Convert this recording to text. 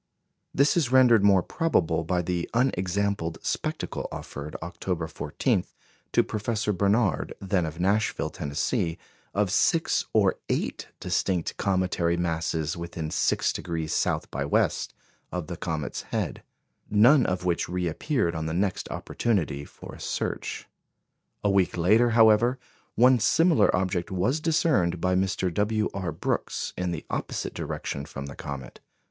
This is rendered more probable by the unexampled spectacle offered, October 14, to Professor Barnard, then of Nashville, Tennessee, of six or eight distinct cometary masses within 6° south by west of the comet's head, none of which reappeared on the next opportunity for a search. A week later, however, one similar object was discerned by Mr. W. R. Brooks, in the opposite direction from the comet.